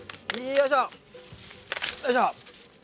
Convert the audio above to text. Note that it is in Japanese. よいしょ！